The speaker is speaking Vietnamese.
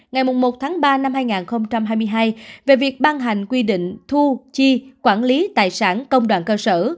ngày một tháng ba năm hai nghìn hai mươi hai về việc ban hành quy định thu chi quản lý tài sản công đoàn cơ sở